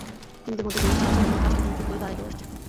হিন্দুদের মধ্যে গরুর ছাল ছাড়ানোর কাজটা যুগ যুগ ধরে তারাই করে আসছে।